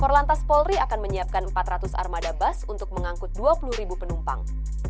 korps lalu lintas polri akan menyiapkan empat ratus armada bus untuk mengangkut dua puluh penumpang